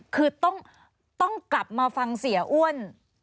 คือต้องกลับมาฟังเสียอ้วน